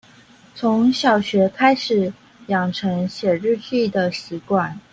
從小學開始養成寫日記的習慣